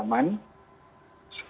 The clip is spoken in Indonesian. satu tidak sesuai dengan perkembangan zaman